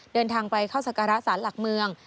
เดินทางไปเข้าสการะสารหลักเมือง